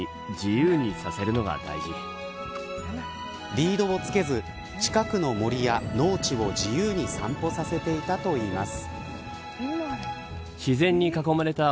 リードをつけず近くの森や農地を自由に散歩させていたといいます。